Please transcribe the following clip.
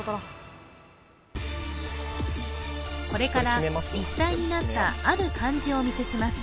これから立体になったある漢字をお見せします